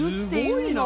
すごいな。